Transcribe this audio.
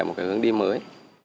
một cái hướng đi mới